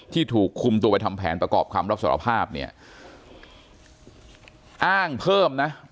ถูกคุมตัวไปทำแผนประกอบคำรับสารภาพเนี่ยอ้างเพิ่มนะ